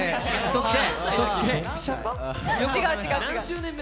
うそつけ。